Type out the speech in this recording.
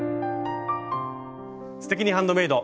「すてきにハンドメイド」。